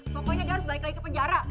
pokoknya dia harus balik lagi ke penjara